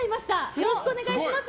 よろしくお願いします。